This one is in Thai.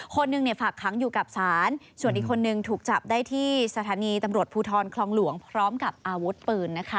คนหนึ่งฝากค้างอยู่กับศาลส่วนอีกคนนึงถูกจับได้ที่สถานีตำรวจภูทรคลองหลวงพร้อมกับอาวุธปืนนะคะ